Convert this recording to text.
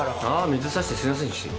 水差してすいませんでした。